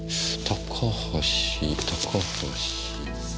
高橋高橋。